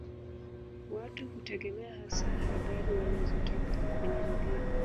Watu hutegemea hasa habari wanazotangaza kwenye redio